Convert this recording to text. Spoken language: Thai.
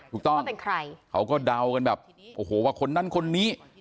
ถูกต้องว่าเป็นใครเขาก็เดากันแบบโอ้โหว่าคนนั้นคนนี้